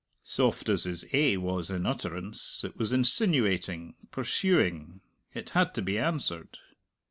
Soft as his "Eh" was in utterance, it was insinuating, pursuing; it had to be answered.